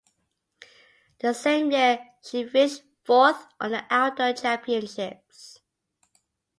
The same year she finished fourth at the outdoor championships.